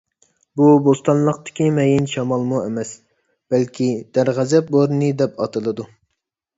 بۇ بوستانلىقتىكى مەيىن شامالمۇ ئەمەس. بەلكى «دەرغەزەپ بورىنى» دەپ ئاتىلىدۇ.